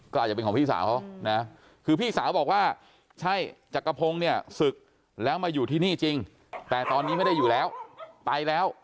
ก็อาจจะเป็นของพี่สาวเขานะคือพี่สาวบอกว่าใช่จักรพงศ์เนี่ยศึกแล้วมาอยู่ที่นี่จริงแต่ตอนนี้ไม่ได้อยู่แล้วไปแล้ว